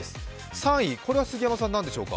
３位、これは杉山さん、何でしょうか？